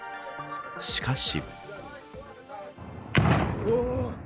しかし。